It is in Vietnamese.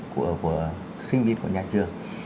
của sinh viên của nhà trường